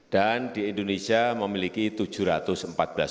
dan di indonesia memiliki tujuh suku